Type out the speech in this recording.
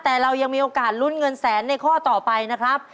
แต่เรายังมีโอกาสลุ้นเงินแสนในข้อต่อไปนะครับ